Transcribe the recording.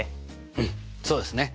うんそうですね。